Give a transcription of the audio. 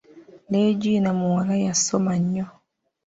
Leegina muwala yasoma nnyo.